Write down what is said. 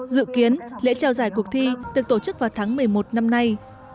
dự kiến lễ trao giải cuộc thi được tổ chức vào tháng một mươi một năm nay